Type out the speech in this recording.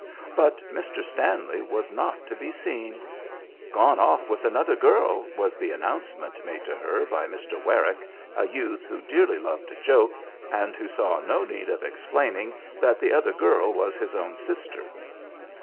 But Mr. Stanley was not to be seen: "Gone off with another girl," was the announcement made to her by Mr. Werrick, a youth who dearly loved a joke, and who saw no need of explaining that the other girl was his own sister.